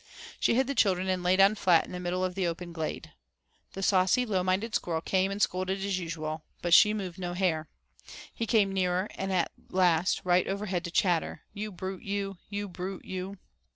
She hid the children and lay down flat in the middle of the open glade. The saucy low minded squirrel came and scolded as usual. But she moved no hair. He came nearer and at last right over head to chatter: "You brute you, you brute you."